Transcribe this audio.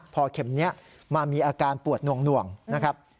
พอเข็มนี้มามีอาการปวดหน่วงนะครับ